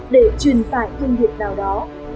để truyền tải thương hiệu nào đó